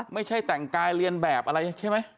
ไม่ใช่แต่งกายเรียนแบบอะไรใช่ไหม